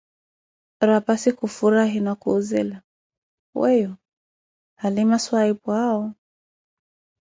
Raphassi khufurahi na kuh'zela: weeyo, halima swahiphu'awo?